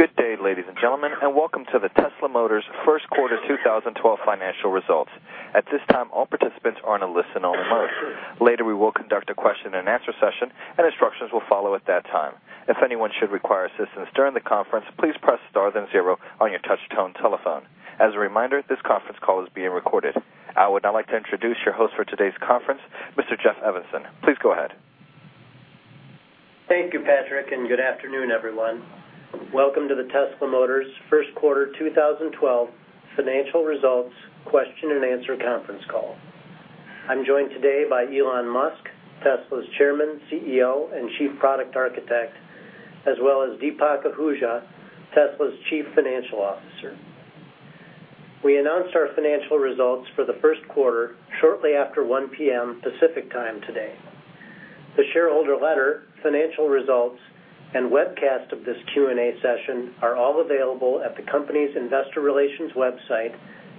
Good day, ladies and gentlemen, and welcome to the Tesla Motors First Quarter 2012 Financial Results. At this time, all participants are on a listen-only mode. Later, we will conduct a question and answer session, and instructions will follow at that time. If anyone should require assistance during the conference, please press star then zero on your touch-tone telephone. As a reminder, this conference call is being recorded. I would now like to introduce your host for today's conference, Mr. Jeff Evanson. Please go ahead. Thank you, Patrick, and good afternoon, everyone. Welcome to the Tesla Motors first quarter 2012 financial results question and answer conference call. I'm joined today by Elon Musk, Tesla's Chairman, CEO, and Chief Product Architect, as well as Deepak Ahuja, Tesla's Chief Financial Officer. We announced our financial results for the first quarter shortly after 1:00 P.M. Pacific Time today. The shareholder letter, financial results, and webcast of this Q&A session are all available at the company's investor relations website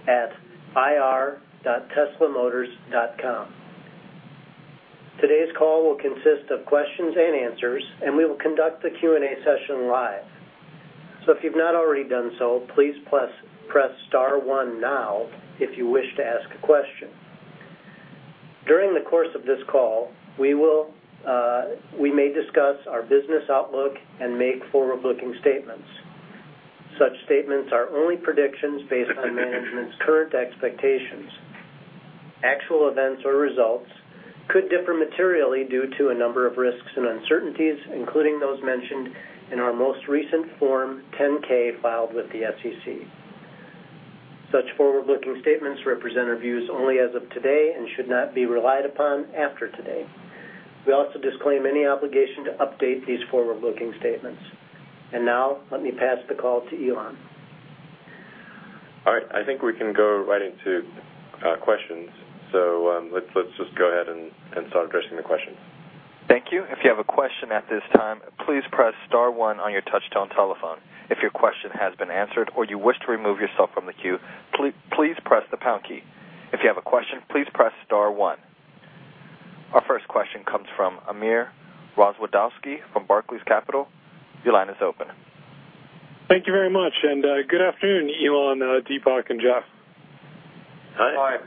at ir.teslamotors.com. Today's call will consist of questions and answers, and we will conduct the Q&A session live. If you've not already done so, please press star one now if you wish to ask a question. During the course of this call, we may discuss our business outlook and make forward-looking statements. Such statements are only predictions based on management's current expectations. Actual events or results could differ materially due to a number of risks and uncertainties, including those mentioned in our most recent Form 10-K filed with the SEC. Such forward-looking statements represent our views only as of today and should not be relied upon after today. We also disclaim any obligation to update these forward-looking statements. Now, let me pass the call to Elon. All right, I think we can go right into the questions. Let's just go ahead and start addressing the questions. Thank you. If you have a question at this time, please press star one on your touch-tone telephone. If your question has been answered or you wish to remove yourself from the queue, please press the pound key. If you have a question, please press star one. Our first question comes from Amir Rozwadowski from Barclays. Your line is open. Thank you very much, and good afternoon Elon, Deepak and Jeff. Hi.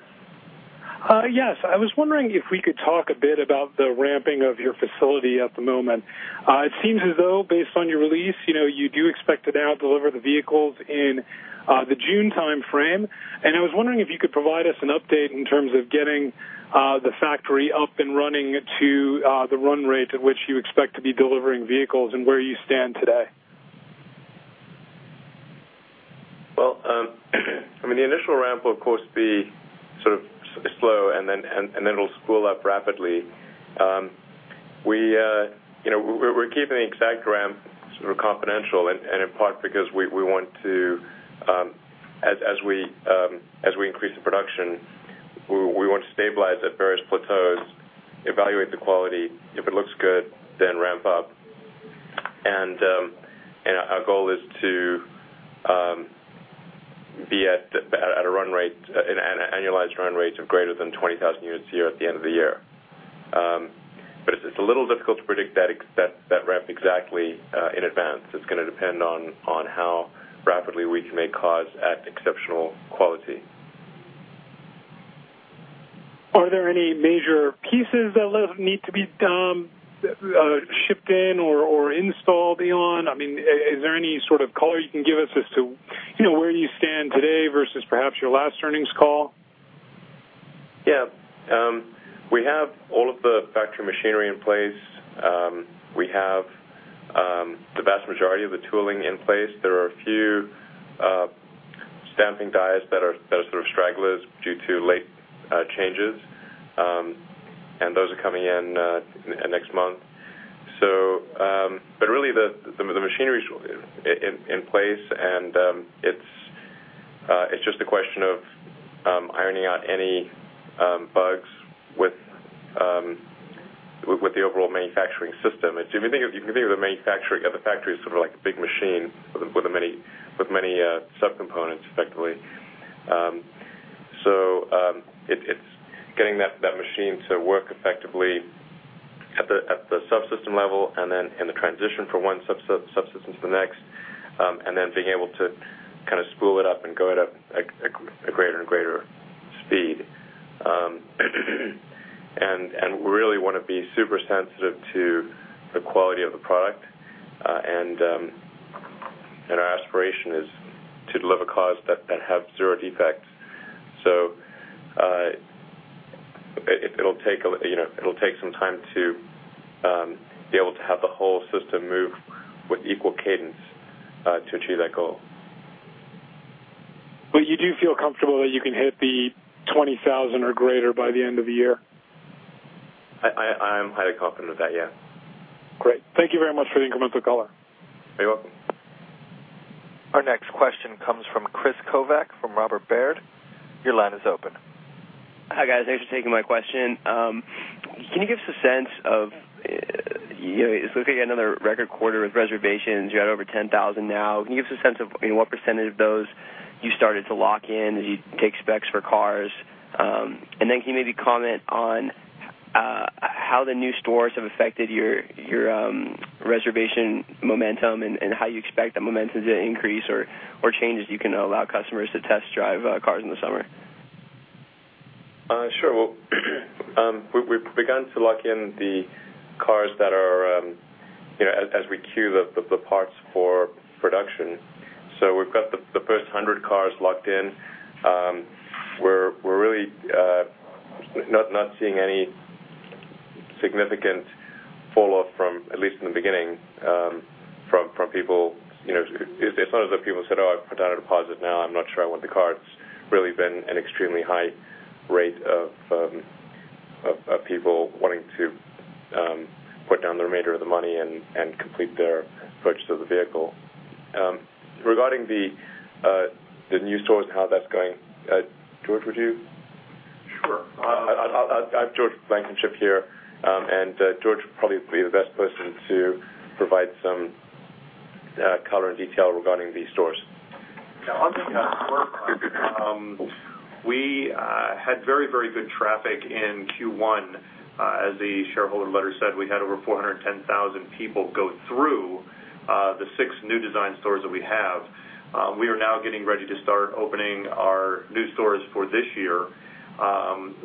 Hi. Yes, I was wondering if we could talk a bit about the ramping of your facility at the moment. It seems as though, based on your release, you know, you do expect to now deliver the vehicles in the June timeframe. I was wondering if you could provide us an update in terms of getting the factory up and running to the run rate at which you expect to be delivering vehicles and where you stand today. The initial ramp will, of course, be sort of slow, and then it'll spool up rapidly. We're keeping the exact ramp sort of confidential, in part because we want to, as we increase the production, stabilize at various plateaus and evaluate the quality. If it looks good, then ramp up. Our goal is to be at a run rate, an annualized run rate of greater than 20,000 units here at the end of the year. It's a little difficult to predict that ramp exactly in advance. It's going to depend on how rapidly we can make cars at exceptional quality. Are there any major pieces that need to be shipped in or installed, Elon? Is there any sort of color you can give us as to where you stand today versus perhaps your last earnings call? Yeah. We have all of the factory machinery in place. We have the vast majority of the tooling in place. There are a few stamping dies that are sort of stragglers due to late changes, and those are coming in next month. Really, the machinery's in place, and it's just a question of ironing out any bugs with the overall manufacturing system. If you can think of the manufacturing of the factory as sort of like a big machine with many subcomponents, effectively, it's getting that machine to work effectively at the subsystem level and then in the transition from one subsystem to the next, and then being able to kind of spool it up and go at a greater and greater speed. We really want to be super sensitive to the quality of the product, and our aspiration is to deliver cars that have zero defects. It'll take some time to be able to have the whole system move with equal cadence to achieve that goal. Do you feel comfortable that you can hit the 20,000 or greater by the end of the year? I am highly confident of that, yeah. Great. Thank you very much for the incremental color. You're welcome. Our next question comes from Chris Kovacs from Robert W. Baird. Your line is open. Hi, guys. Thanks for taking my question. Can you give us a sense of, you know, it's looking like another record quarter with reservations. You're at over 10,000 now. Can you give us a sense of what percent of those you started to lock in as you take specs for cars? Can you maybe comment on how the new stores have affected your reservation momentum and how you expect that momentum to increase or change as you can allow customers to test drive cars in the summer? Sure. We've begun to lock in the cars that are, you know, as we queue the parts for production. We've got the first 100 cars locked in. We're really not seeing any significant falloff, at least in the beginning, from people. As soon as people said, "Oh, I've put down a deposit now. I'm not sure I want the car," it's really been an extremely high rate of people wanting to put down the remainder of the money and complete their purchase of the vehicle. Regarding the new stores and how that's going, George, would you? Sure. I have George Blankenship here, and George probably would be the best person to provide some color and detail regarding these stores. Yeah, I'll do that. I'm with Clark. We had very, very good traffic in Q1. As the shareholder letter said, we had over 410,000 people go through the six new design stores that we have. We are now getting ready to start opening our new stores for this year.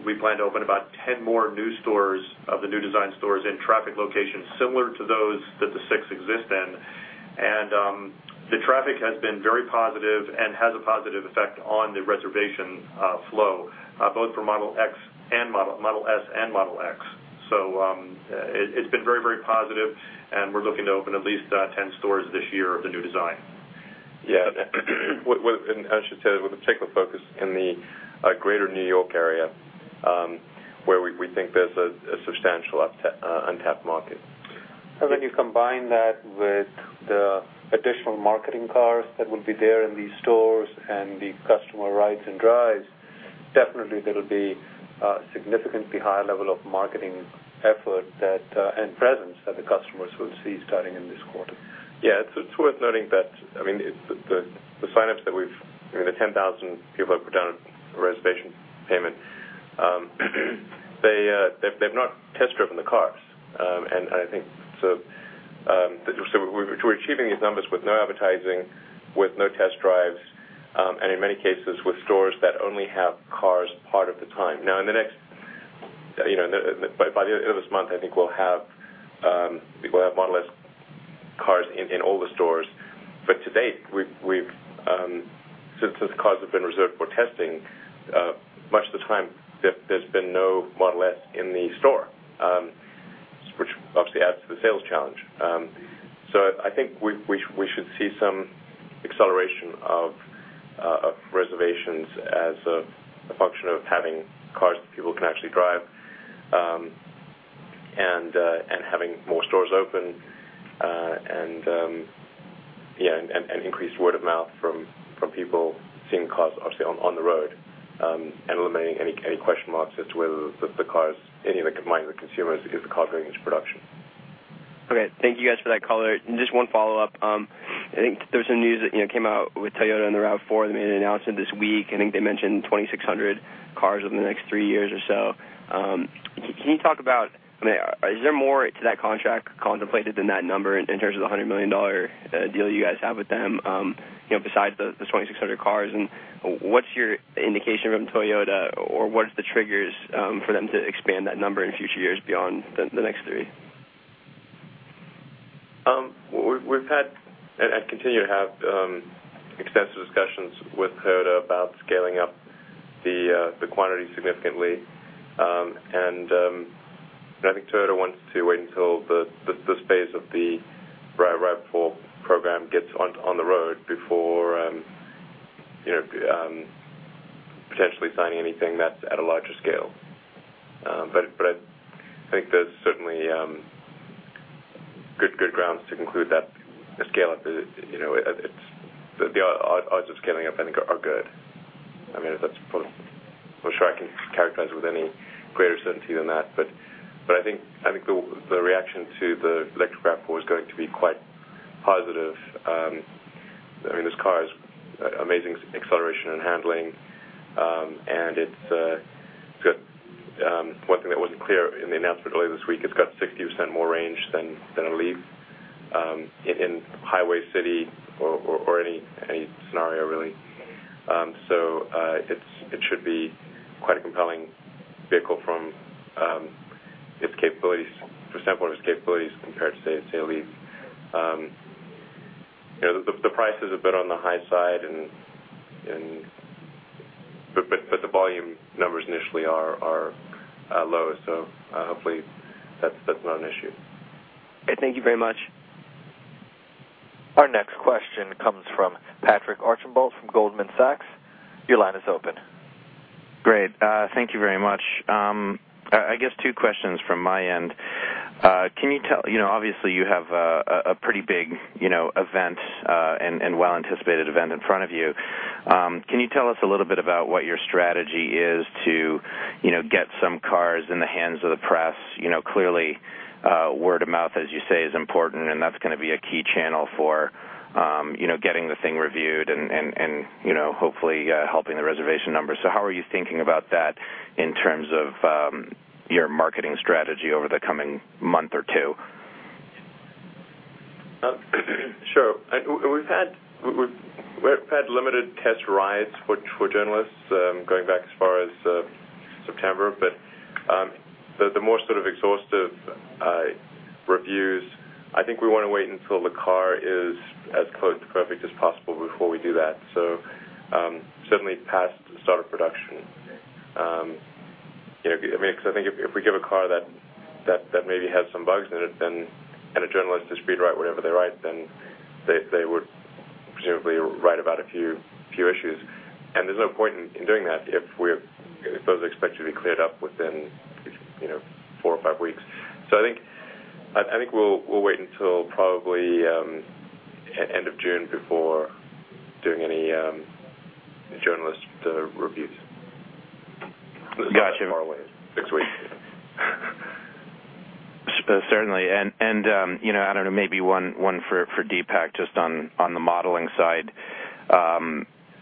We plan to open about 10 more new stores of the new design stores in traffic locations similar to those that the six exist in. The traffic has been very positive and has a positive effect on the reservation flow, both for Model S and Model X. It's been very, very positive, and we're looking to open at least 10 stores this year of the new design. I should say, we're particularly focused in the greater New York area, where we think there's a substantial untapped market. You combine that with the additional marketing cars that will be there in these stores and the customer rides and drives, definitely there'll be a significantly higher level of marketing effort and presence that the customers will see starting in this quarter. Yeah, it's worth noting that the signups that we've, I mean, the 10,000 people who put down a reservation payment, they've not test-driven the cars. I think we're achieving these numbers with no advertising, with no test drives, and in many cases with stores that only have cars part of the time. By the end of this month, I think we'll have Model S cars in all the stores. To date, since cars have been reserved for testing, much of the time, there's been no Model S in the store, which obviously adds to the sales challenge. I think we should see some acceleration of reservations as a function of having cars that people can actually drive and having more stores open and increased word of mouth from people seeing cars on the road and eliminating any question marks as to whether the cars, any of the consumers, is the car going into production. Okay. Thank you guys for that color. Just one follow-up. I think there was some news that came out with Toyota on the RAV4 that made an announcement this week. I think they mentioned 2,600 cars over the next three years or so. Can you talk about, I mean, is there more to that contract contemplated than that number in terms of the $100 million deal you guys have with them besides the 2,600 cars? What's your indication from Toyota, or what's the triggers for them to expand that number in future years beyond the next three? We've had and continue to have extensive discussions with Toyota about scaling up the quantity significantly. I think Toyota wants to wait until the first phase of the RAV4 program gets on the road before potentially signing anything that's at a larger scale. I think there's certainly good grounds to conclude that the scale-up, you know, the odds of scaling up, I think, are good. That's for sure. I can't characterize it with any greater certainty than that. I think the reaction to the electric RAV4 is going to be quite positive. This car has amazing acceleration and handling, and it's got one thing that wasn't clear in the announcement earlier this week. It's got 60% more range than a Leaf in highway, city, or any scenario, really. It should be quite a compelling vehicle from the standpoint of its capabilities compared to, say, a Leaf. The price is a bit on the high side, but the volume numbers initially are low. Hopefully, that's not an issue. Great. Thank you very much. Our next question comes from Patrick Archambault from Goldman Sachs. Your line is open. Great. Thank you very much. I guess two questions from my end. Can you tell, you know, obviously, you have a pretty big, you know, event and well-anticipated event in front of you. Can you tell us a little bit about what your strategy is to, you know, get some cars in the hands of the press? Clearly, word of mouth, as you say, is important, and that's going to be a key channel for, you know, getting the thing reviewed and, you know, hopefully helping the reservation numbers. How are you thinking about that in terms of your marketing strategy over the coming month or two? Sure. We've had limited test drives for journalists going back as far as September, but the more sort of exhaustive reviews, I think we want to wait until the car is as close to perfect as possible before we do that. Certainly past the start of production. I mean, if we give a car that maybe has some bugs in it and a journalist just writes whatever they write, then they would presumably write about a few issues. There's no point in doing that if those are expected to be cleared up within, you know, four or five weeks. I think we'll wait until probably the end of June before doing any journalist reviews. Gotcha. Six weeks. Certainly. I don't know, maybe one for Deepak just on the modeling side.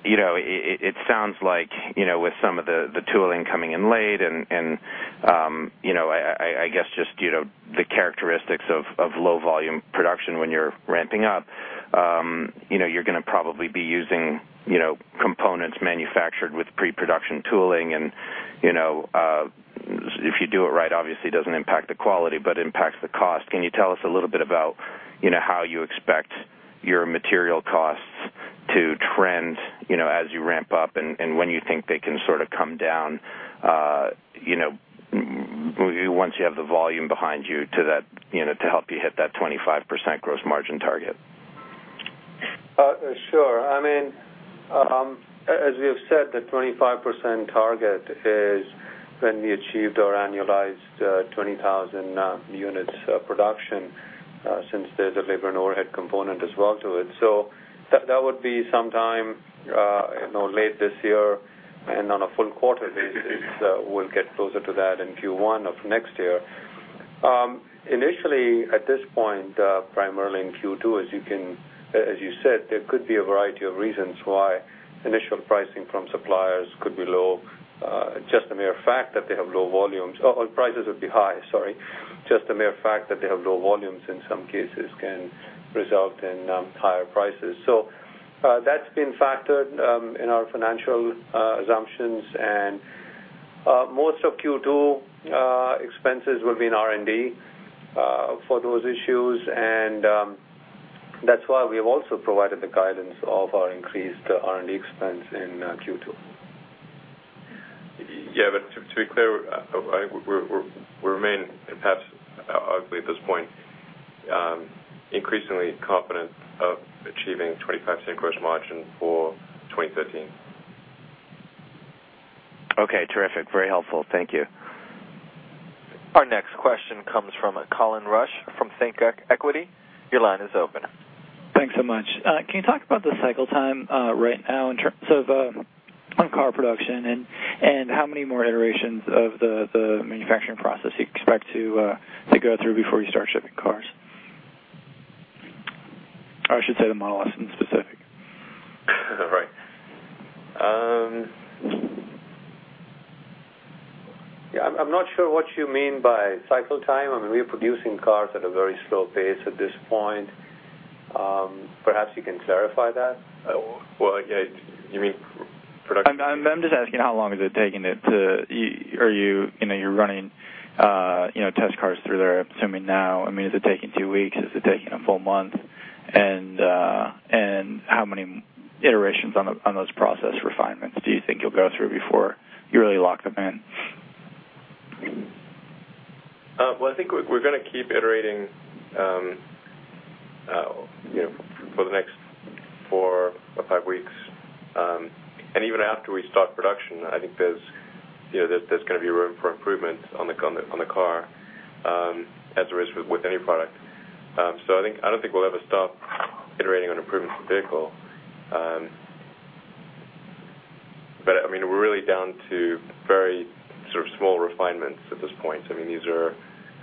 It sounds like, with some of the tooling coming in late and, I guess just, the characteristics of low-volume production when you're ramping up, you're going to probably be using components manufactured with pre-production tooling. If you do it right, obviously, it doesn't impact the quality, but it impacts the cost. Can you tell us a little bit about how you expect your material costs to trend as you ramp up and when you think they can sort of come down, once you have the volume behind you to help you hit that 25% gross margin target? Sure. As we have said, the 25% target is when we achieved our annualized 20,000 units production since they deliver an overhead component as well to it. That would be sometime late this year and on a full quarter basis. We'll get closer to that in Q1 of next year. Initially, at this point, primarily in Q2, as you said, there could be a variety of reasons why initial pricing from suppliers could be high. Just the mere fact that they have low volumes in some cases can result in higher prices. That's been factored in our financial assumptions, and most of Q2 expenses will be in R&D for those issues, and that's why we have also provided the guidance of our increased R&D expense in Q2. Yeah, to be clear, we remain, and perhaps arguably at this point, increasingly confident of achieving 25% gross margin for 2013. Okay. Terrific. Very helpful. Thank you. Our next question comes from Colin Rusch from ThinkEquity. Your line is open. Thanks so much. Can you talk about the cycle time right now in terms of car production and how many more iterations of the manufacturing process you expect to go through before you start shipping cars? I should say the Model S in specific. Right. Yeah, I'm not sure what you mean by cycle time. I mean, we are producing cars at a very slow pace at this point. Perhaps you can clarify that. You mean production? I'm just asking how long is it taking to, are you, you know, you're running, you know, test cars through there, I'm assuming now. Is it taking two weeks? Is it taking a full month? How many iterations on those process refinements do you think you'll go through before you really lock them in? I think we're going to keep iterating for the next four or five weeks. Even after we start production, I think there's going to be room for improvement on the car as there is with any product. I don't think we'll ever stop iterating on improving the vehicle. I mean, we're really down to very sort of small refinements at this point. These are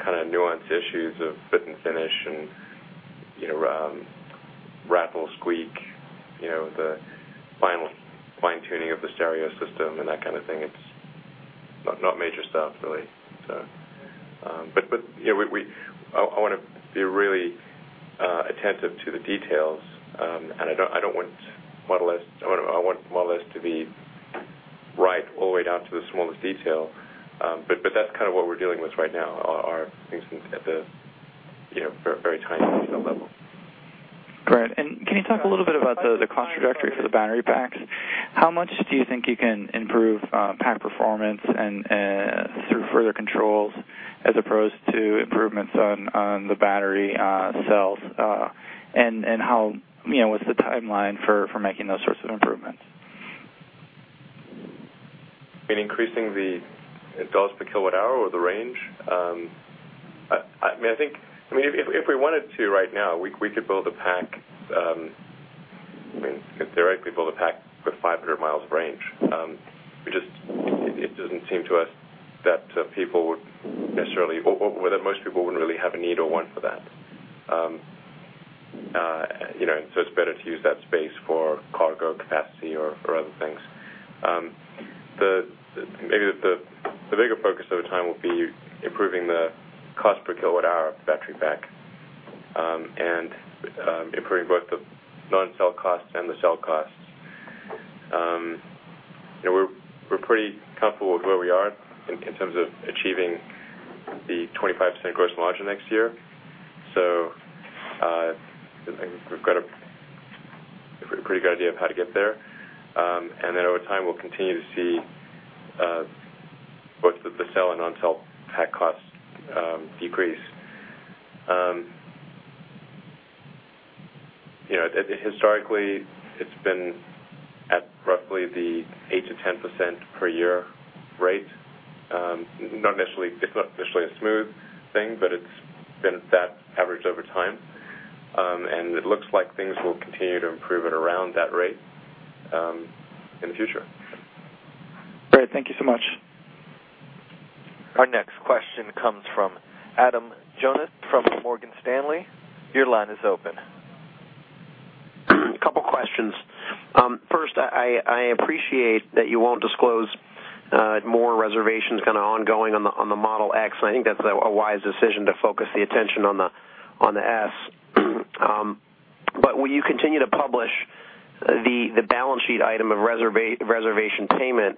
kind of nuanced issues of fit and finish, rattle, squeak, the final fine-tuning of the stereo system, and that kind of thing. It's not major stuff, really. I want to be really attentive to the details, and I want Model S to be right all the way down to the smallest detail. That's kind of what we're dealing with right now, things at the very tiny detail level. Right. Can you talk a little bit about the cost trajectory for the battery packs? How much do you think you can improve pack performance through further controls as opposed to improvements on the battery cells? What's the timeline for making those sorts of improvements? Increasing the dollars per kilowatt hour or the range? If we wanted to right now, we could build a pack, theoretically, build a pack with 500 miles of range. It just doesn't seem to us that people would necessarily, or that most people wouldn't really have a need or want for that. It's better to use that space for cargo capacity or other things. Maybe the bigger focus over time will be improving the cost per kilowatt hour of the battery pack and improving both the non-sale costs and the sale costs. We're pretty comfortable with where we are in terms of achieving the 25% gross margin next year. I think we've got a pretty good idea of how to get there. Over time, we'll continue to see both the sale and non-sale pack costs decrease. Historically, it's been at roughly the 8% to 10% per year rate. It's not necessarily a smooth thing, but it's been that average over time. It looks like things will continue to improve at around that rate in the future. All right, thank you so much. Our next question comes from Adam Jonas from Morgan Stanley. Your line is open. A couple of questions. First, I appreciate that you won't disclose more reservations kind of ongoing on the Model X, and I think that's a wise decision to focus the attention on the Model S. Will you continue to publish the balance sheet item of reservation payment?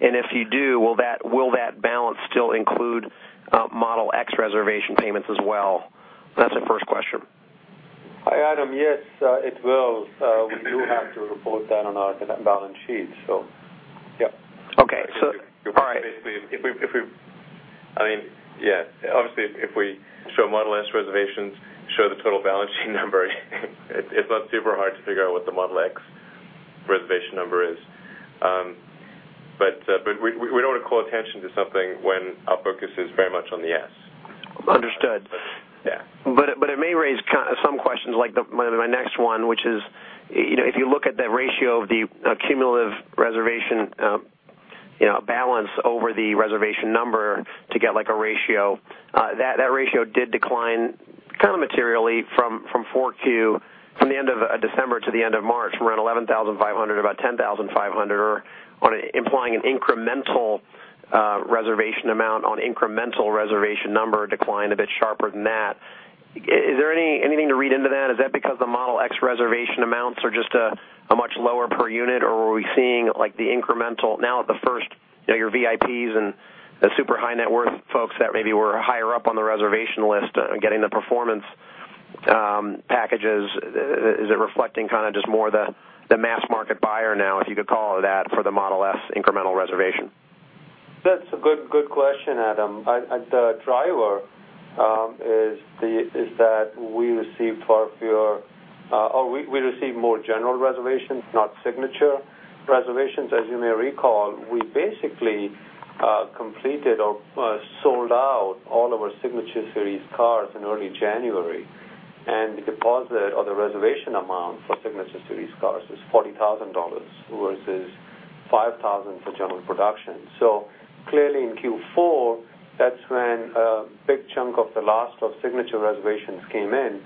If you do, will that balance still include Model X reservation payments as well? That's the first question. Hi, Adam. Yes, it will. We do have to report that on our academic balance sheet, so yep. All right. I mean, yeah, obviously, if we show Model S reservations, show the total balance sheet number, it's not super hard to figure out what the Model X reservation number is. We don't want to call attention to something when our focus is very much on the S. Understood. Yeah. It may raise some questions, like my next one, which is, you know, if you look at the ratio of the cumulative reservation balance over the reservation number to get like a ratio, that ratio did decline kind of materially from Q4, from the end of December to the end of March, from around $11,500 to about $10,500, implying an incremental reservation amount on incremental reservation number decline a bit sharper than that. Is there anything to read into that? Is that because the Model X reservation amounts are just much lower per unit, or are we seeing like the incremental now at first, your VIPs and super high net worth folks that maybe were higher up on the reservation list getting the performance packages? Is it reflecting kind of just more the mass market buyer now, if you could call it that, for the Model S incremental reservation? That's a good question, Adam. The driver is that we received far fewer, or we received more general reservations, not signature reservations. As you may recall, we basically completed or sold out all of our Signature Series cars in early January. The deposit or the reservation amount for Signature Series cars was $40,000 versus $5,000 for general production. Clearly, in Q4, that's when a big chunk of the last of signature reservations came in,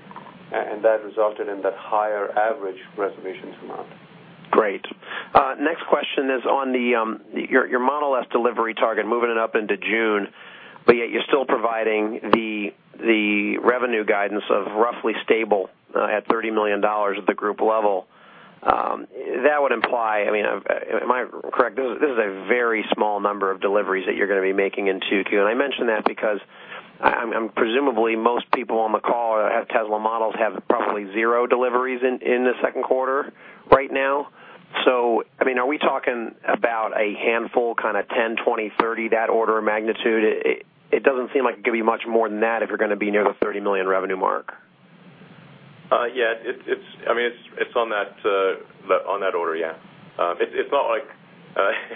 and that resulted in that higher average reservations amount. Great. Next question is on your Model S delivery target, moving it up into June, but yet you're still providing the revenue guidance of roughly stable at $30 million at the group level. That would imply, am I correct? This is a very small number of deliveries that you're going to be making in 2Q. I mention that because presumably most people on the call who have Tesla models have probably zero deliveries in the second quarter right now. Are we talking about a handful, kind of 10, 20, 30, that order of magnitude? It doesn't seem like it could be much more than that if you're going to be near the $30 million revenue mark. Yeah, I mean, it's on that order, yeah. It's not like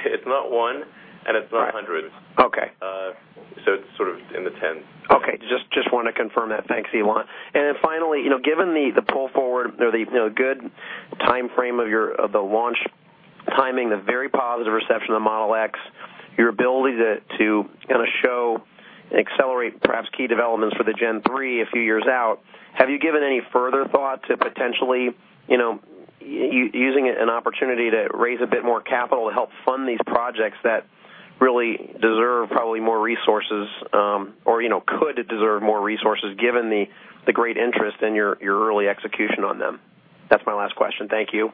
it's not 1 and it's not 100. Okay. It's sort of in the 10. Okay. Just want to confirm that. Thanks, Elon. Finally, given the pull forward or the good timeframe of the launch timing, the very positive reception of the Model X, your ability to kind of show and accelerate perhaps key developments for the Gen 3 a few years out, have you given any further thought to potentially, you know, using an opportunity to raise a bit more capital to help fund these projects that really deserve probably more resources or, you know, could deserve more resources given the great interest in your early execution on them? That's my last question. Thank you.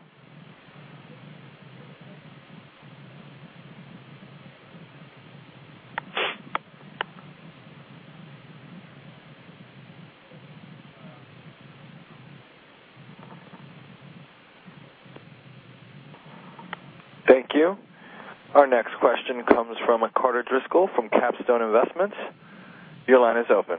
Thank you. Our next question comes from Carter Driscoll from Capstone Investments. Your line is open.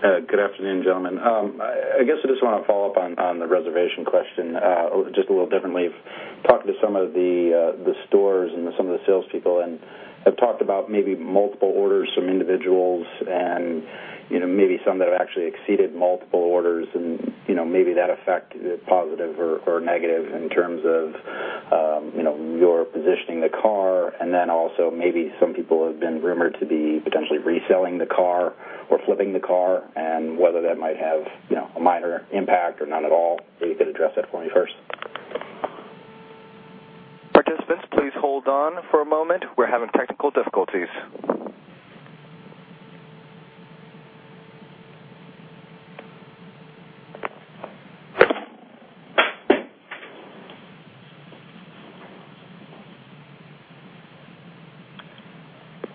Good afternoon, gentlemen. I guess I just want to follow up on the reservation question a little differently. I've talked to some of the stores and some of the salespeople, and I've talked about maybe multiple orders from individuals and, you know, maybe some that have actually exceeded multiple orders and, you know, maybe that effect, positive or negative, in terms of, you know, your positioning the car. Also, maybe some people have been rumored to be potentially reselling the car or flipping the car and whether that might have, you know, a minor impact or none at all. Maybe you could address that for me first. Participants, please hold on for a moment. We're having technical difficulties.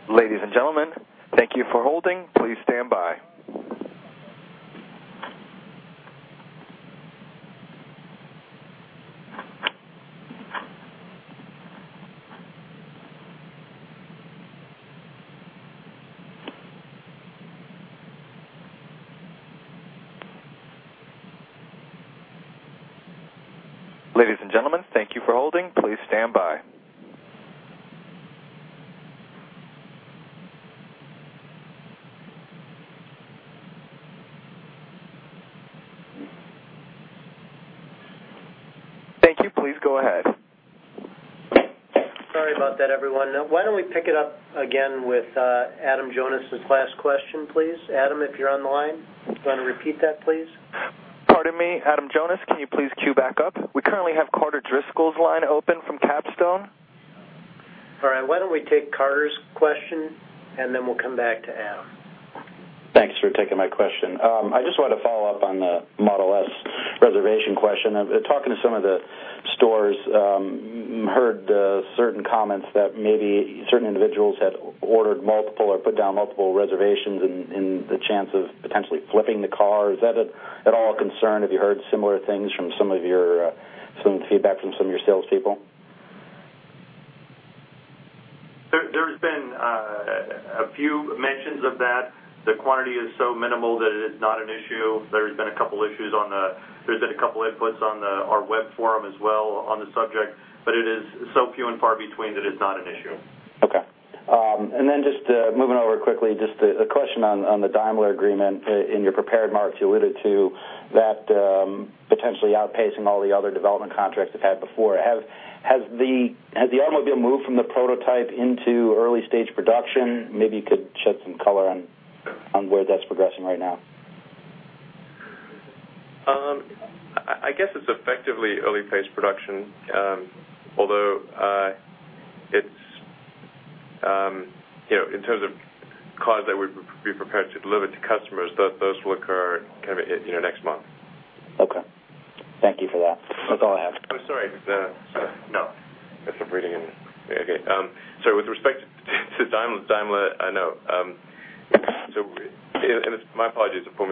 Ladies and gentlemen, thank you for holding. Please stand by. Ladies and gentlemen, thank you for holding. Please stand by. Thank you. Please go ahead. Sorry about that, everyone. Why don't we pick it up again with Adam Jonas' last question, please? Adam, if you're on the line, do you want to repeat that, please? Pardon me, Adam Jonas. Can you please queue back up? We currently have Carter Driscoll's line open from Capstone Investments. All right. Why don't we take Carter's question, and then we'll come back to Adam Jonas. Thanks for taking my question. I just want to follow up on the Model S reservation question. Talking to some of the stores, I heard certain comments that maybe certain individuals had ordered multiple or put down multiple reservations and the chance of potentially flipping the car. Is that at all a concern? Have you heard similar things from some of your feedback from some of your salespeople? There's been a few mentions of that. The quantity is so minimal that it's not an issue. There's been a couple of issues on the, there's been a couple of inputs on our web forum as well on the subject, but it is so few and far between that it's not an issue. Okay. Just moving over quickly, a question on the Daimler agreement. In your prepared marks, you alluded to that potentially outpacing all the other development contracts you've had before. Has the automobile moved from the prototype into early-stage production? Maybe you could shed some color on where that's progressing right now. I guess it's effectively early-phase production, although it's, you know, in terms of cars that we'd be prepared to deliver to customers, those will occur kind of next month. Okay, thank you for that. That's all I have. Sorry. No, I stopped breathing. Okay. With respect to Daimler, no. My apologies for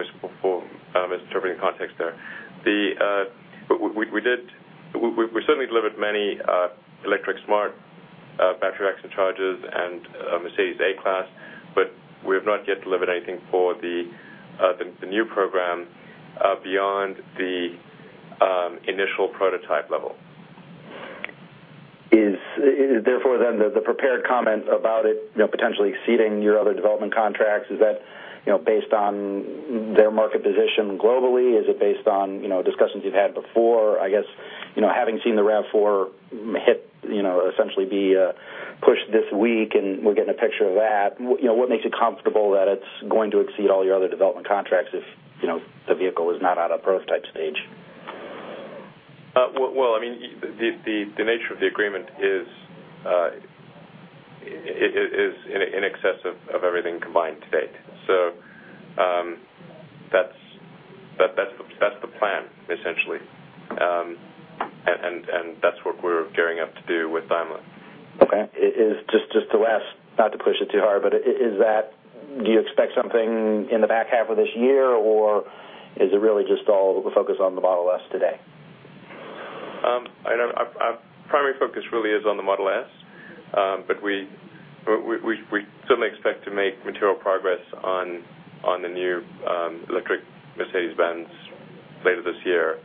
misinterpreting context there. We certainly delivered many electric smart battery action chargers and Mercedes A Class, but we have not yet delivered anything for the new program beyond the initial prototype level. Is therefore then the prepared comment about it potentially exceeding your other development contracts, is that based on their market position globally? Is it based on discussions you've had before? I guess having seen the RAV4 essentially be pushed this week, and we're getting a picture of that, what makes you comfortable that it's going to exceed all your other development contracts if the vehicle is not out of prototype stage? The nature of the agreement is in excess of everything combined to date. That's the plan, essentially. That's what we're gearing up to do with Daimler. Okay. Just to last, not to push it too hard, but do you expect something in the back half of this year, or is it really just all focused on the Model S today? Our primary focus really is on the Model S, but we certainly expect to make material progress on the new electric Mercedes-Benz later this year.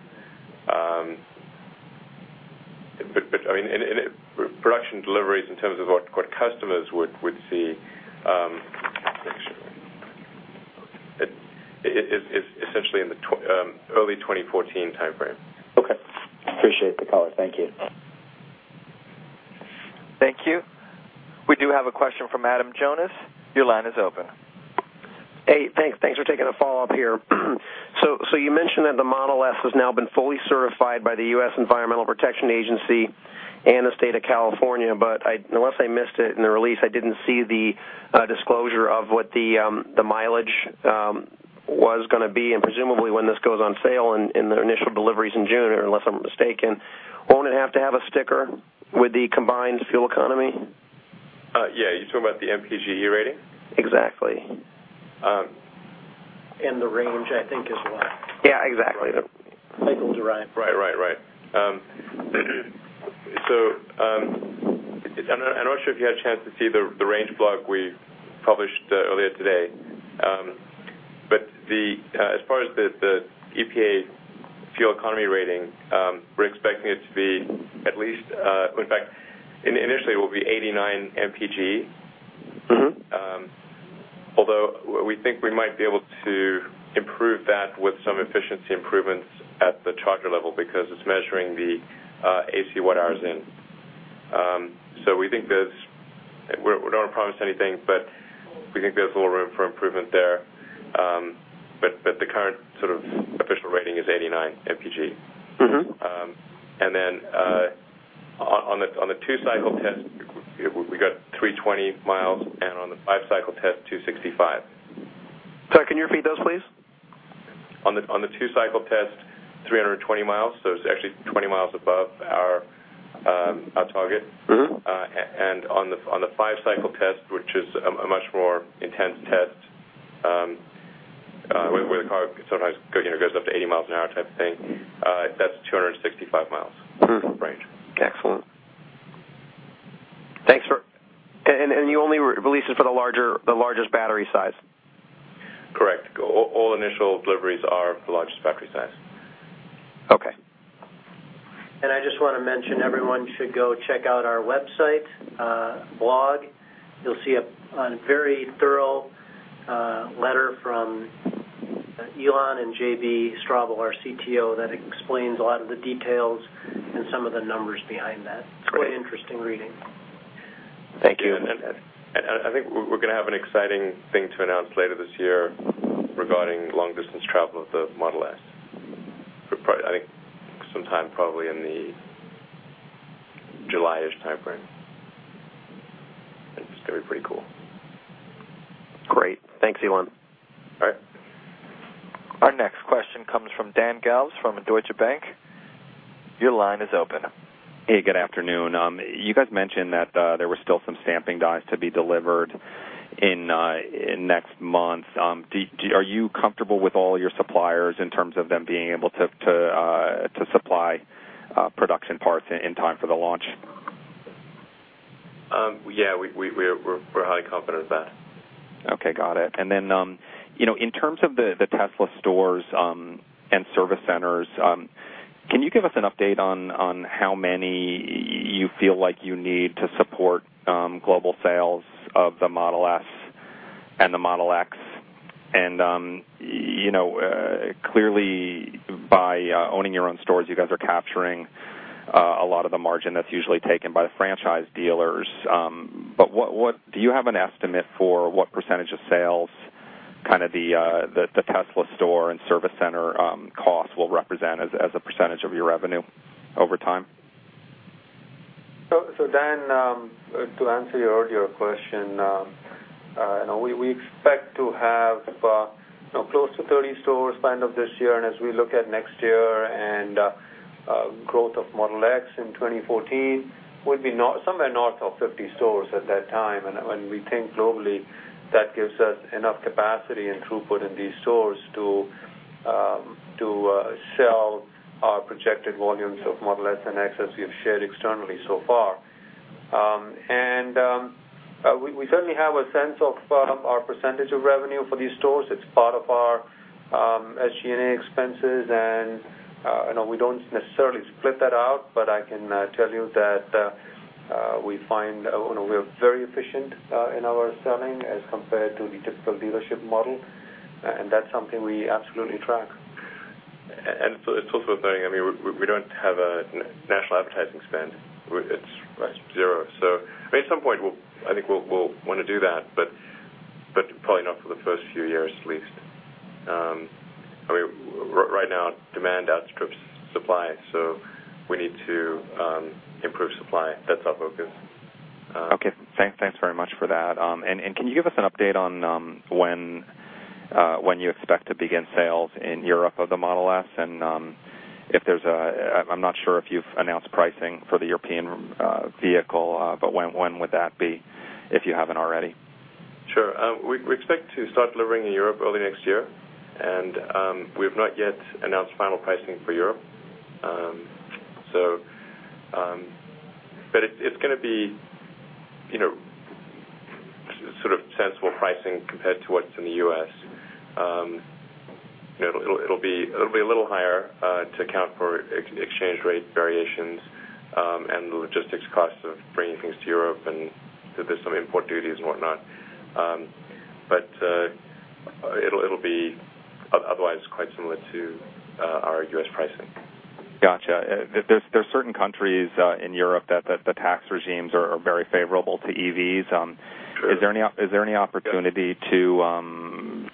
I mean, production deliveries in terms of what customers would see, let me make sure, is essentially in the early 2014 timeframe. Okay. Appreciate the color. Thank you. Thank you. We do have a question from Adam Jonas. Your line is open. Thanks for taking the follow-up here. You mentioned that the Model S has now been fully certified by the U.S. Environmental Protection Agency and the state of California, but unless I missed it in the release, I didn't see the disclosure of what the mileage was going to be. Presumably, when this goes on sale in the initial deliveries in June, or unless I'm mistaken, won't it have to have a sticker with the combined fuel economy? Yeah, you're talking about the MPGe rating? Exactly. The range, I think, is what? Yeah, exactly. Cycle derived. Right, right, right. I'm not sure if you had a chance to see the range blog we published earlier today, but as far as the EPA fuel economy rating, we're expecting it to be at least, in fact, initially, it will be 89 MPGe, although we think we might be able to improve that with some efficiency improvements at the charger level because it's measuring the AC watt-hours in. We think there's, we don't want to promise anything, but we think there's a little room for improvement there. The current sort of official rating is 89 MPGe. On the two-cycle test, we got 320 miles, and on the five-cycle test, 265. Sorry, can you repeat those, please? On the two-cycle test, 320 miles. It's actually 20 miles above our target. On the five-cycle test, which is a much more intense test where the car sometimes goes up to 80 miles an hour type of thing, that's 265 miles of range. Excellent. Thanks for, and you only release it for the largest battery size? Correct. All initial deliveries are the largest battery size. Okay. Everyone should go check out our website blog. You'll see a very thorough letter from Elon Musk and J.B. Straubel, our CTO, that explains a lot of the details and some of the numbers behind that. It's quite interesting reading. Thank you. I think we're going to have an exciting thing to announce later this year regarding long-distance travel of the Model S. I think sometime probably in the July-ish timeframe. It's going to be pretty cool. Great. Thanks, Elon. All right. Our next question comes from Dan Galves from Deutsche Bank. Your line is open. Hey, good afternoon. You guys mentioned that there were still some stamping dies to be delivered next month. Are you comfortable with all your suppliers in terms of them being able to supply production parts in time for the launch? Yeah, we're highly confident of that. Okay. Got it. In terms of the Tesla stores and service centers, can you give us an update on how many you feel like you need to support global sales of the Model S and the Model X? Clearly, by owning your own stores, you guys are capturing a lot of the margin that's usually taken by the franchise dealers. Do you have an estimate for what percentage of sales the Tesla store and service center costs will represent as a percent of your revenue over time? Dan, to answer your earlier question, we expect to have close to 30 stores by the end of this year. As we look at next year and growth of Model X in 2014, we'll be somewhere north of 50 stores at that time. When we think globally, that gives us enough capacity and throughput in these stores to sell our projected volumes of Model S and X as we have shared externally so far. We certainly have a sense of our percentage of revenue for these stores. It's part of our SG&A expenses. We don't necessarily split that out, but I can tell you that we find we are very efficient in our selling as compared to the typical dealership model. That's something we absolutely track. It is also a learning. We don't have a national advertising spend. It's zero. At some point, I think we'll want to do that, but probably not for the first few years at least. Right now, demand outstrips supply. We need to improve supply. That's our focus. Okay. Thanks very much for that. Can you give us an update on when you expect to begin sales in Europe of the Model S? If there's a, I'm not sure if you've announced pricing for the European vehicle, when would that be if you haven't already? Sure. We expect to start delivering in Europe early next year, and we have not yet announced final pricing for Europe. It is going to be sort of sensible pricing compared to what is in the U.S. It will be a little higher to account for exchange rate variations and the logistics costs of bringing things to Europe, and there are some import duties and whatnot. It will be otherwise quite similar to our U.S. pricing. Gotcha. There are certain countries in Europe where the tax regimes are very favorable to EVs. Is there any opportunity to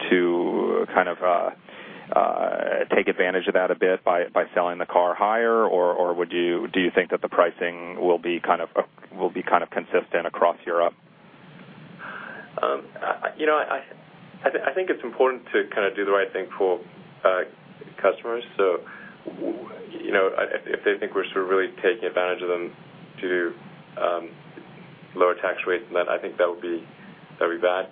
take advantage of that a bit by selling the car higher, or do you think that the pricing will be consistent across Europe? I think it's important to kind of do the right thing for customers. If they think we're sort of really taking advantage of them to lower tax rates, I think that would be bad.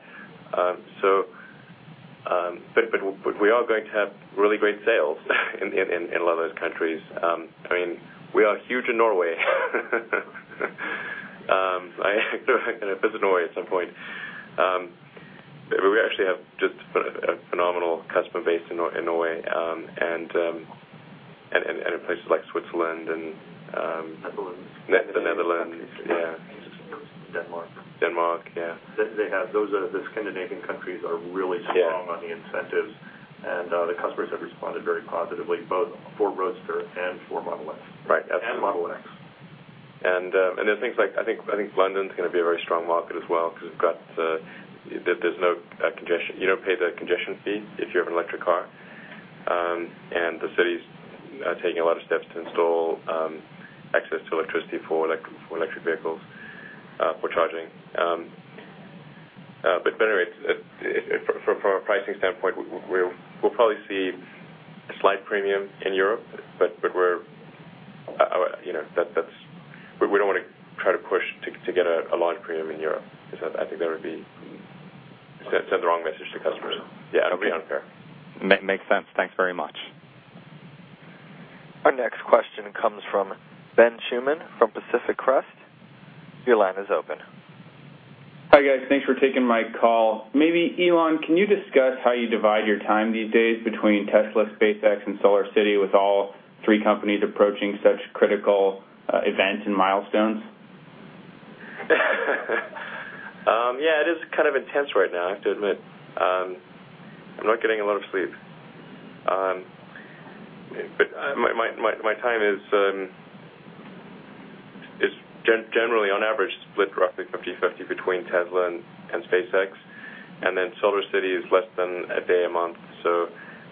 We are going to have really great sales in a lot of those countries. I mean, we are huge in Norway. I'm going to visit Norway at some point. We actually have just a phenomenal customer base in Norway and in places like Switzerland. Netherlands. Netherlands, yeah. Denmark. Denmark, yeah. Those are the Scandinavian countries that are really strong on the incentives, and the customers have responded very positively, both for Roadster and for Model S. Right. Model X. There are things like, I think London's going to be a very strong market as well because there's no congestion. You don't pay the congestion fee if you have an electric car. The city's taking a lot of steps to install access to electricity for electric vehicles for charging. Anyway, from a pricing standpoint, we'll probably see a slight premium in Europe, but we don't want to try to push to get a large premium in Europe. I think that would send the wrong message to customers. Yeah, it'll be unfair. Makes sense. Thanks very much. Our next question comes from Ben Schuman from Pacific Crest. Your line is open. Hi guys, thanks for taking my call. Maybe Elon, can you discuss how you divide your time these days between Tesla, Space X, and SolarCity with all three companies approaching such critical events and milestones? Yeah, it is kind of intense right now, I have to admit. I'm not getting a lot of sleep. My time is generally, on average, split roughly 50/50 between Tesla and Space X. SolarCity is less than a day a month, so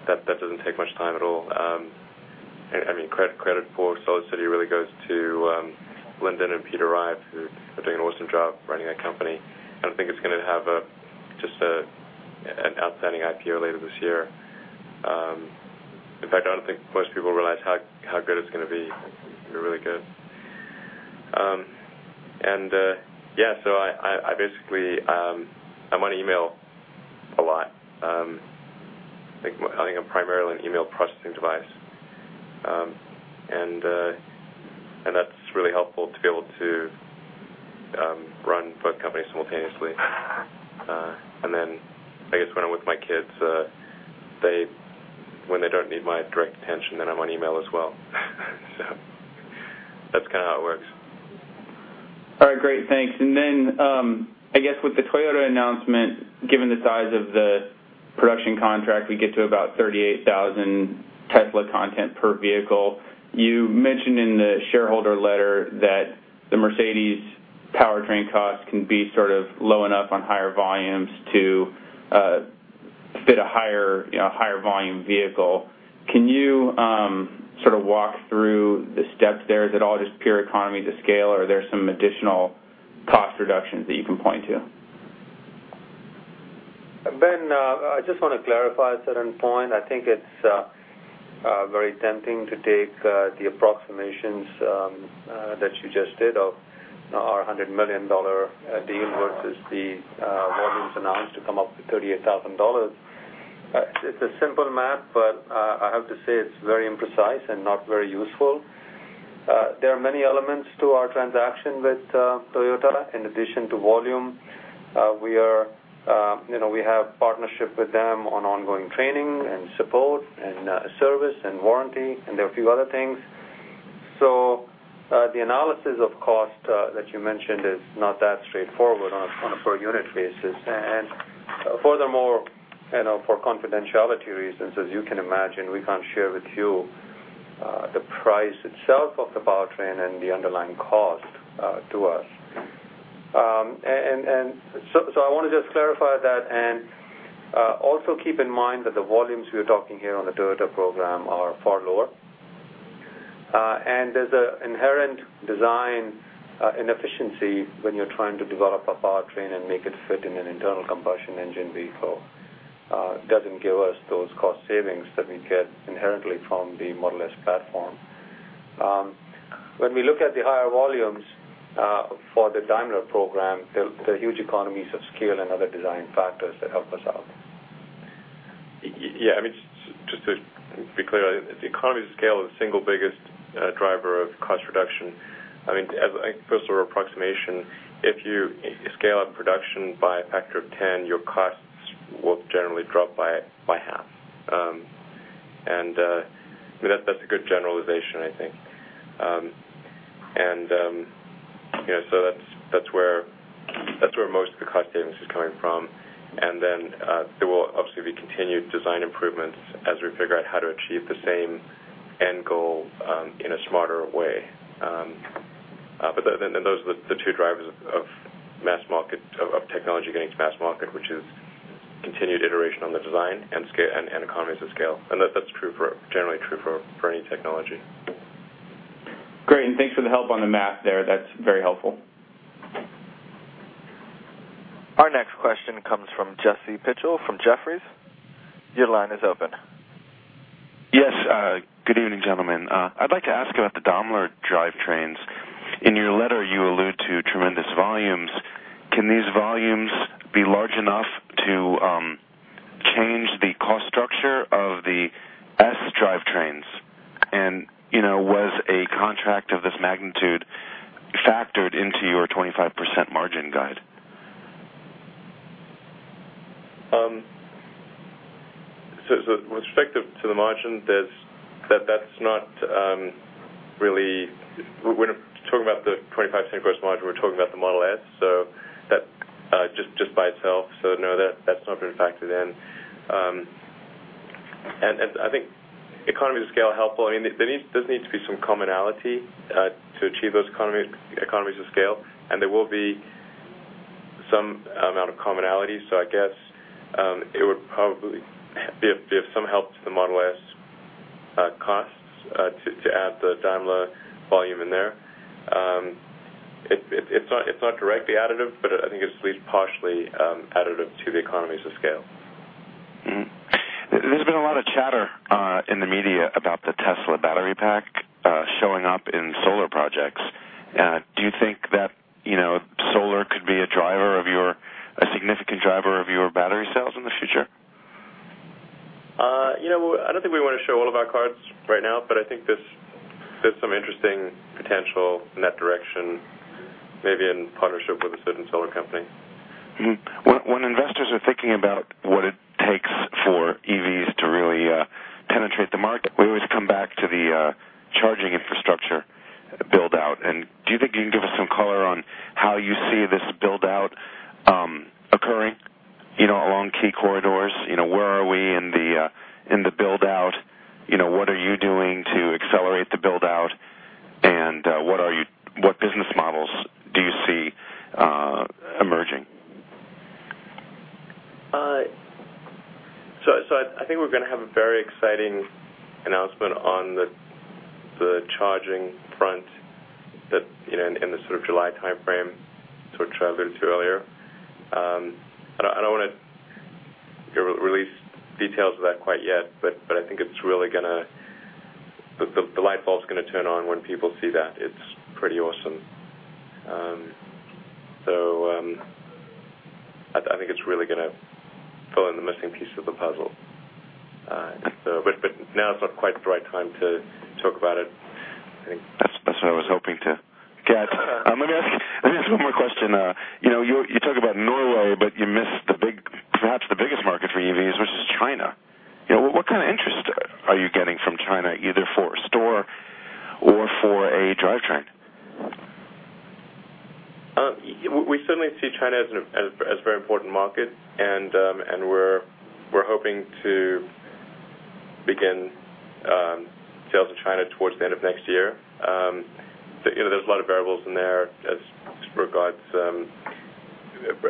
that doesn't take much time at all. Credit for SolarCity really goes to Lyndon and Peter Rive, who are doing an awesome job running that company. I don't think it's going to have just an outstanding IPO later this year. In fact, I don't think most people realize how good it's going to be. It'll be really good. I basically, I'm on email a lot. I think I'm primarily an email processing device. That's really helpful to be able to run both companies simultaneously. When I'm with my kids, when they don't need my direct attention, then I'm on email as well. That's kind of how it works. All right, great. Thanks. With the Toyota announcement, given the size of the production contract, we get to about $38,000 Tesla content per vehicle. You mentioned in the shareholder letter that the Mercedes-Benz powertrain costs can be sort of low enough on higher volumes to fit a higher volume vehicle. Can you sort of walk through the steps there? Is it all just pure economies of scale, or are there some additional cost reductions that you can point to? Ben, I just want to clarify a certain point. I think it's very tempting to take the approximations that you just did of our $100 million deal versus the volumes announced to come up with $38,000. It's a simple math, but I have to say it's very imprecise and not very useful. There are many elements to our transaction with Toyota in addition to volume. We have a partnership with them on ongoing training and support and service and warranty, and there are a few other things. The analysis of cost that you mentioned is not that straightforward on a per-unit basis. Furthermore, for confidentiality reasons, as you can imagine, we can't share with you the price itself of the powertrain and the underlying cost to us. I want to just clarify that and also keep in mind that the volumes we are talking here on the Toyota program are far lower. There's an inherent design inefficiency when you're trying to develop a powertrain and make it fit in an internal combustion engine vehicle. It doesn't give us those cost savings that we get inherently from the Model S platform. When we look at the higher volumes for the Daimler program, there are huge economies of scale and other design factors that help us out. Yeah, just to be clear, the economies of scale are the single biggest driver of cost reduction. I think, first of all, approximation, if you scale up production by a factor of 10, your costs will generally drop by half. I mean, that's a good generalization, I think. That's where most of the cost savings is coming from. There will obviously be continued design improvements as we figure out how to achieve the same end goal in a smarter way. Those are the two drivers of mass market, of technology getting to mass market, which is continued iteration on the design and economies of scale. That's generally true for any technology. Great. Thanks for the help on the math there. That's very helpful. Our next question comes from Jesse Pichel from Jefferies. Your line is open. Yes. Good evening, gentlemen. I'd like to ask about the Daimler drivetrains. In your letter, you allude to tremendous volumes. Can these volumes be large enough to change the cost structure of the S drivetrains? Was a contract of this magnitude factored into your 25% margin guide? With respect to the margin, that's not really, we're not talking about the 25% gross margin. We're talking about the Model S, just by itself, so no, that's not been factored in. I think economies of scale are helpful. There does need to be some commonality to achieve those economies of scale, and there will be some amount of commonality. I guess it would probably be of some help to the Model S costs to add the Daimler volume in there. It's not directly additive, but I think it's at least partially additive to the economies of scale. There's been a lot of chatter in the media about the Tesla battery pack showing up in solar projects. Do you think that, you know, solar could be a driver of your, a significant driver of your battery cells in the future? You know, I don't think we want to show all of our cards right now, but I think there's some interesting potential in that direction, maybe in partnership with a certain solar company. When investors are thinking about what it takes for EVs to really penetrate the market, we always come back to the charging infrastructure buildout. Do you think you can give us some color on how you see this buildout occurring, you know, along key corridors? Where are we in the buildout? What are you doing to accelerate the buildout? What business models do you see emerging? I think we're going to have a very exciting announcement on the charging front, you know, in the sort of July timeframe, which I alluded to earlier. I don't want to release details of that quite yet, but I think it's really going to, the light bulb's going to turn on when people see that. It's pretty awesome. I think it's really going to fill in the missing piece of the puzzle. It's not quite the right time to talk about it. That's what I was hoping to get. Let me ask one more question. You know, you talk about Norway, but you missed the big, perhaps the biggest market for EVs, which is China. What kind of interest are you getting from China, either for a store or for a drivetrain? We certainly see China as a very important market, and we're hoping to begin sales in China towards the end of next year. There are a lot of variables in there as regards to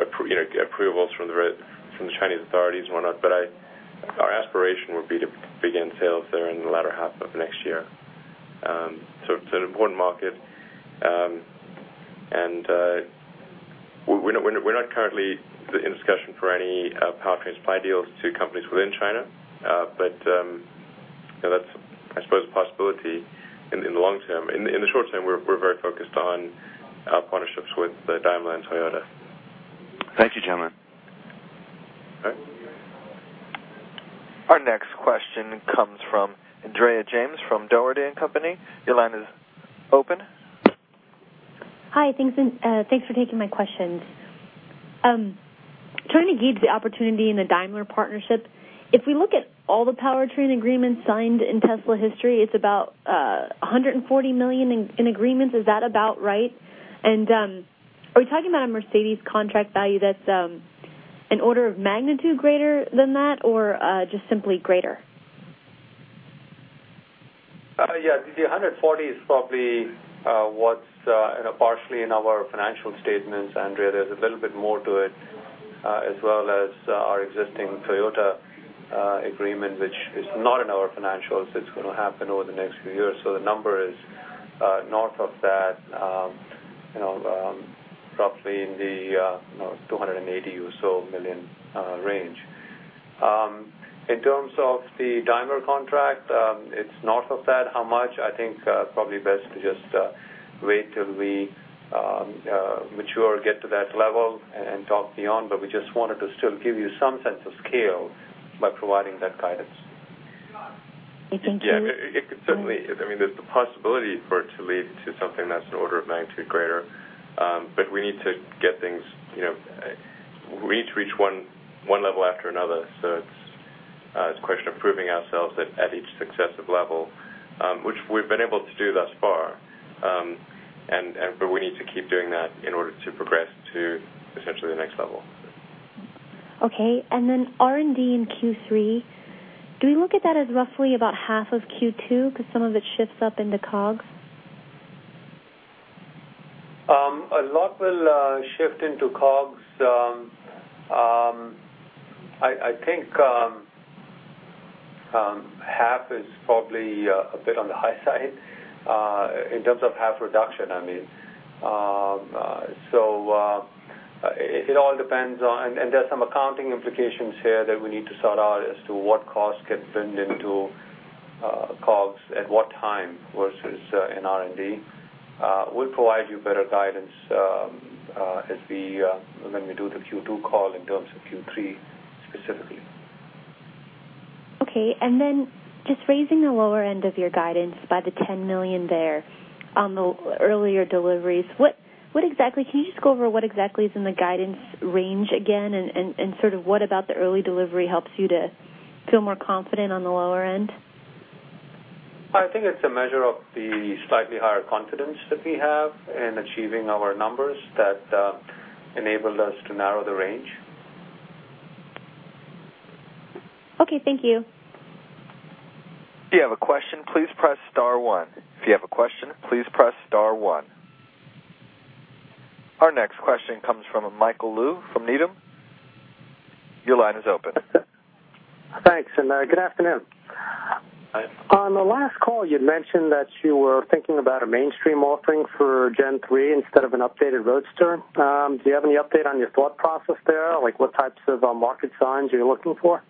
approvals from the Chinese authorities and whatnot. Our aspiration would be to begin sales there in the latter half of next year. It's an important market. We're not currently in discussion for any powertrain supply deals to companies within China, but that's, I suppose, a possibility in the long term. In the short term, we're very focused on partnerships with Daimler and Toyota. Thank you, gentlemen. Our next question comes from Andrea James from Dougherty & Company. Your line is open. Hi. Thanks for taking my question. China gave the opportunity in the Daimler partnership. If we look at all the powertrain agreements signed in Tesla history, it's about $140 million in agreements. Is that about right? Are we talking about a Mercedes-Benz contract value that's an order of magnitude greater than that or just simply greater? Yeah, the $140 million is probably what's partially in our financial statements, Andrea. There's a little bit more to it, as well as our existing Toyota agreement, which is not in our financials. It's going to happen over the next few years. The number is north of that, you know, roughly in the $280 million or so range. In terms of the Daimler contract, it's north of that. How much? I think probably best to just wait till we mature, get to that level, and talk beyond. We just wanted to still give you some sense of scale by providing that guidance. Thank you. I mean, there's the possibility for it to lead to something that's an order of magnitude greater. We need to get things, you know, we need to reach one level after another. It's a question of proving ourselves at each successive level, which we've been able to do thus far. We need to keep doing that in order to progress to essentially the next level. Okay. R&D in Q3, do we look at that as roughly about half of Q2 because some of it shifts up into COGS? A lot will shift into COGS. I think half is probably a bit on the high side in terms of half reduction. It all depends on, and there's some accounting implications here that we need to sort out as to what costs get plunged into COGS at what time versus in R&D. We'll provide you better guidance as we do the Q2 call in terms of Q3 specifically. Okay. Raising the lower end of your guidance by the $10 million there on the earlier deliveries, what exactly, can you just go over what exactly is in the guidance range again, and what about the early delivery helps you to feel more confident on the lower end? I think it's a measure of the slightly higher confidence that we have in achieving our numbers that enabled us to narrow the range. Okay, thank you. If you have a question, please press star one. If you have a question, please press star one. Our next question comes from Michael Lew from Needham & Company. Your line is open. Thanks, and good afternoon. On the last call, you'd mentioned that you were thinking about a mainstream offering for Gen 3 instead of an updated Roadster. Do you have any update on your thought process there? What types of market signs are you looking for?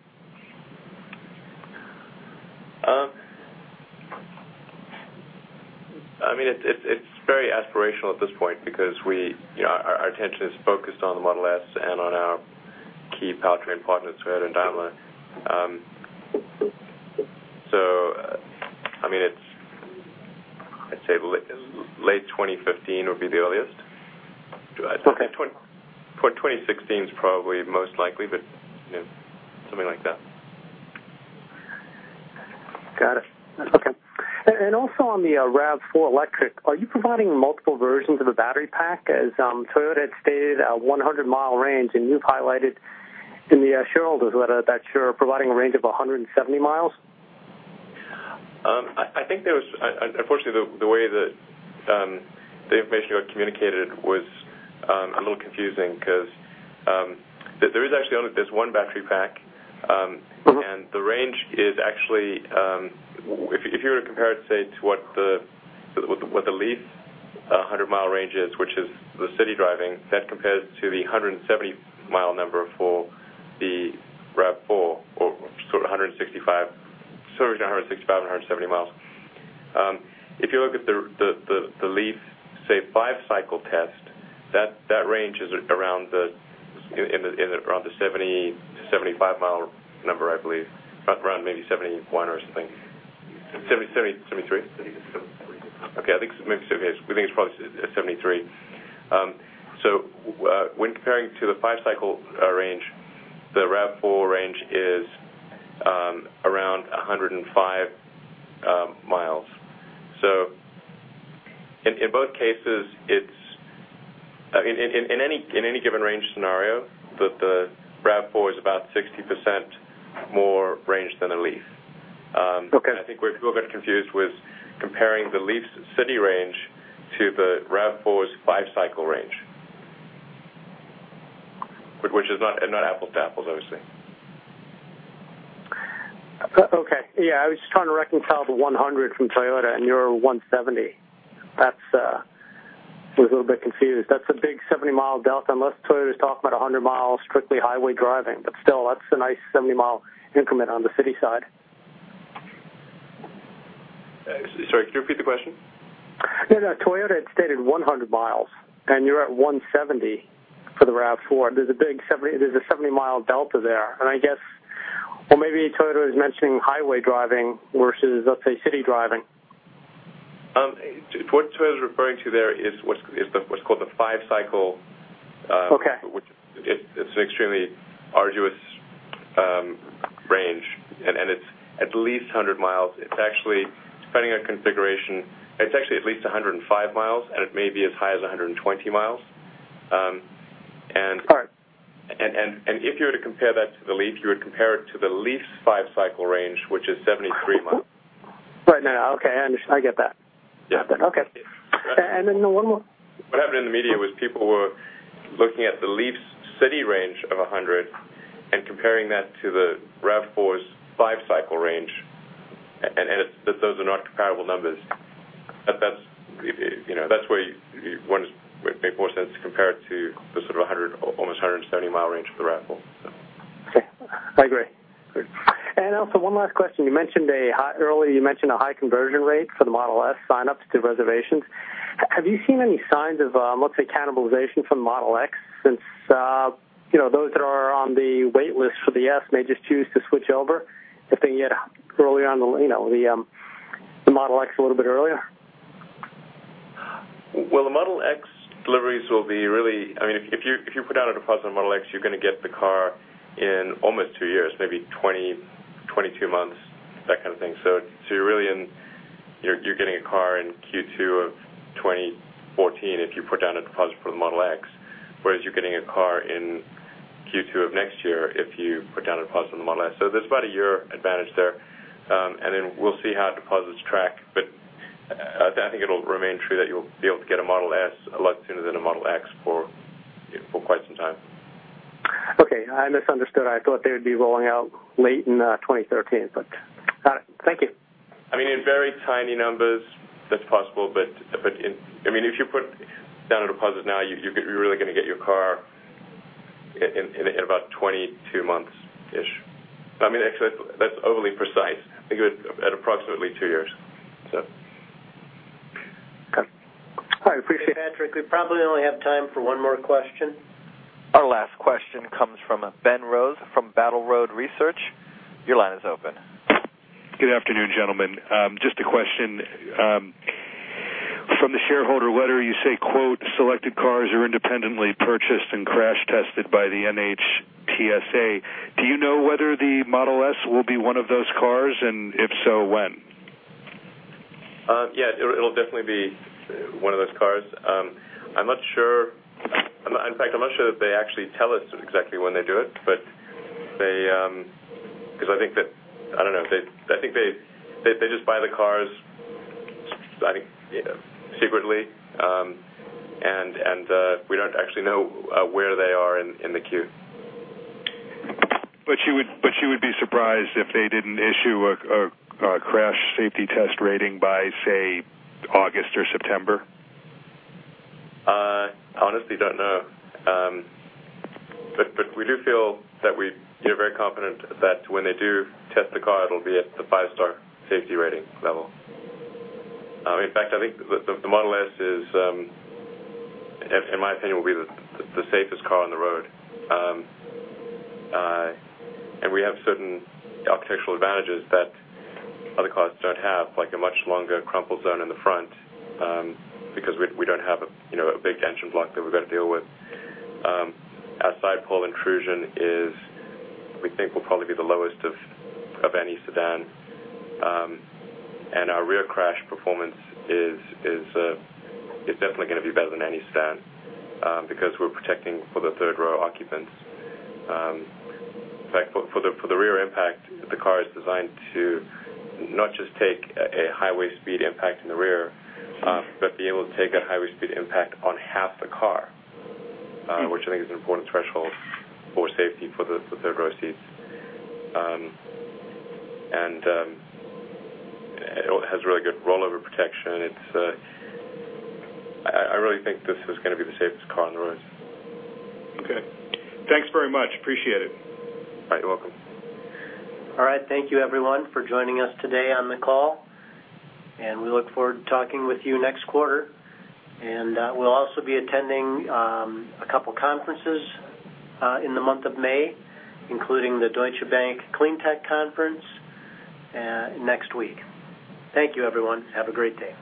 I mean, it's very aspirational at this point because our attention is focused on the Model S and on our key powertrain partners, Toyota and Daimler. I'd say late 2015 would be the earliest. Okay. 2016 is probably most likely, but you know, something like that. Got it. Okay. Also, on the RAV4 EV, are you providing multiple versions of the battery pack? As Toyota had stated, a 100-mile range, and you've highlighted in the shareholder's letter that you're providing a range of 170 miles. I think there was, unfortunately, the way that the information got communicated was a little confusing because there is actually only, there's one battery pack, and the range is actually, if you were to compare it, say, to what the Leaf 100-mile range is, which is the city driving, that compares to the 170-mile number for the RAV4, or sort of 165, somewhere between 165 and 170 miles. If you look at the Leaf, say, five-cycle test, that range is around the 70 to 75-mile number, I believe. It's about around maybe 71 or something. 73, I think. Okay. I think maybe 73. We think it's probably 73. When comparing to the five-cycle range, the RAV4 range is around 105 miles. In both cases, it's in any given range scenario, the RAV4 is about 60% more range than a Leaf. I think where people got confused was comparing the Leaf's city range to the RAV4's five-cycle range, which is not apples to apples, obviously. Okay. I was just trying to reconcile the 100 from Toyota and your 170. I was a little bit confused. That's a big 70-mile delta unless Toyota is talking about 100 miles strictly highway driving. Still, that's a nice 70-mile increment on the city side. Sorry, could you repeat the question? No, no. Toyota had stated 100 miles, and you're at 170 for the RAV4 EV. There's a big 70, there's a 70-mile delta there. I guess Toyota is mentioning highway driving versus, let's say, city driving. What Toyota is referring to there is what's called the five-cycle. It's an extremely arduous range, and it's at least 100 miles. It's actually, depending on configuration, at least 105 miles, and it may be as high as 120 miles. All right. If you were to compare that to the Leaf, you would compare it to the Leaf's five-cycle range, which is 73 miles. Right. No, no. Okay, I understand. I get that. Yeah. Okay, one more. What happened in the media was people were looking at the Leaf's city range of 100 and comparing that to the RAV4 EV's five-cycle range, and those are not comparable numbers. It made more sense to compare it to the sort of almost 170-mile range for the RAV4 EV. Okay. I agree. Great. Also, one last question. You mentioned earlier a high conversion rate for the Model S signups to reservations. Have you seen any signs of, let's say, cannibalization from the Model X since those that are on the waitlist for the S may just choose to switch over? I think you had earlier on the Model X a little bit earlier. The Model X deliveries will be really, I mean, if you put down a deposit on Model X, you're going to get the car in almost two years, maybe 20, 22 months, that kind of thing. If you put down a deposit for the Model X, you're getting a car in Q2 of 2014, whereas you're getting a car in Q2 of next year if you put down a deposit on the Model S. There's about a year advantage there. We'll see how deposits track, but I think it'll remain true that you'll be able to get a Model S a lot sooner than a Model X for quite some time. Okay. I misunderstood. I thought they would be rolling out late in 2013, but got it. Thank you. I mean, in very tiny numbers, that's possible. If you put down a deposit now, you're really going to get your car in about 22 months-ish. I mean, actually, that's overly precise. I think at approximately two years. Hi, appreciate it. Patrick, we probably only have time for one more question. Our last question comes from Ben Rose from Battle Road Research. Your line is open. Good afternoon, gentlemen. Just a question. From the shareholder letter, you say, "Selected cars are independently purchased and crash tested by the NHTSA." Do you know whether the Model S will be one of those cars? If so, when? Yeah, it'll definitely be one of those cars. I'm not sure. In fact, I'm not sure that they actually tell us exactly when they do it because I think that, I don't know, I think they just buy the cars, I think, secretly. We don't actually know where they are in the queue. Would you be surprised if they didn't issue a crash safety test rating by, say, August or September? I honestly don't know. We do feel that we are very confident that when they do test the car, it'll be at the five-star safety rating level. In fact, I think the Model S is, in my opinion, will be the safest car on the road. We have certain architectural advantages that other cars don't have, like a much longer crumple zone in the front because we don't have a big engine block that we've got to deal with. Our side pole intrusion is, we think, will probably be the lowest of any sedan. Our rear crash performance is definitely going to be better than any sedan because we're protecting for the third-row occupants. In fact, for the rear impact, the car is designed to not just take a highway speed impact in the rear, but be able to take that highway speed impact on half the car, which I think is an important threshold for safety for the third-row seats. It has really good rollover protection. I really think this is going to be the safest car on the road. Okay, thanks very much. Appreciate it. All right, you're welcome. All right. Thank you, everyone, for joining us today on the call. We look forward to talking with you next quarter. We'll also be attending a couple of conferences in the month of May, including the Deutsche Bank Cleantech Conference next week. Thank you, everyone. Have a great day.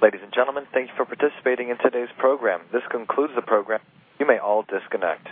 Ladies and gentlemen, thanks for participating in today's program. This concludes the program. You may all disconnect.